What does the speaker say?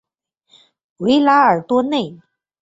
维拉尔多内。